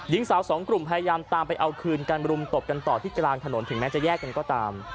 หญิงสาวสองกลุ่มพยายามตามไปเอาคืนกันรุมตบกันต่อที่กลางถนนถึงแม้จะแยกกันก็ตาม